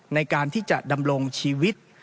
ในการที่จะดำรงชีวิต